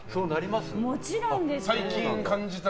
もちろんです。